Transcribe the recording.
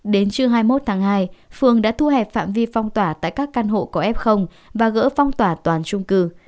đến trưa hai mươi một tháng hai phường đã thu hẹp phạm vi phong tỏa tại các căn hộ có f và gỡ phong tỏa toàn trung cư